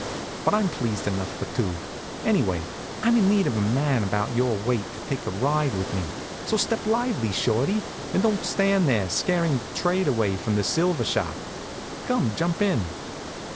But I'm pleased enough for two. Anyway, I'm in need of a man of about your weight to take a ride with me. So step lively, Shorty, and don't stand there scaring trade away from the silver shop. Come, jump in."